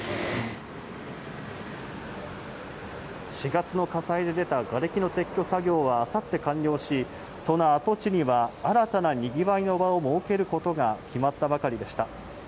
４月の火災で出たがれきの撤去作業は明後日完了し、その跡地には新たなにぎわいの場を設けることが決まったばかりでした。